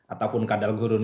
ataupun kadal gurun